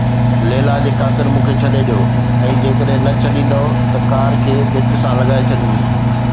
ليلا جي خاطر مون کي ڇڏي ڏيو ۽ جيڪڏهن نه ڇڏيندؤ ته ڪار کي ڀت سان لڳائي ڇڏيندس.